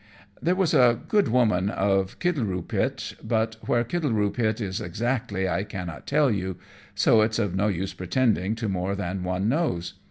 _ There was a good woman of Kittleroopit, but where Kittleroopit is exactly I cannot tell you; so it's of no use pretending to more than one knows.